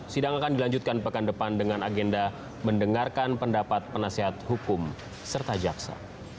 sidang akan dilanjutkan pekan depan dengan agenda mendengarkan pendapat penasihat hukum serta jaksa